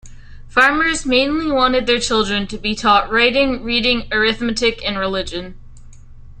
Farmers mainly wanted their children to be taught writing, reading, arithmetic, and religion.